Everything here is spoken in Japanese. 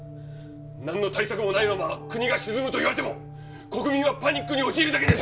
何の対策もないまま国が沈むといわれても国民はパニックに陥るだけです